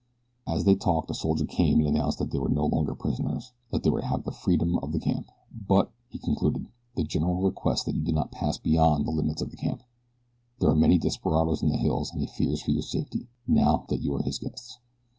As they talked a soldier came and announced that they were no longer prisoners they were to have the freedom of the camp; "but," he concluded, "the general requests that you do not pass beyond the limits of the camp. There are many desperadoes in the hills and he fears for your safety, now that you are his guests."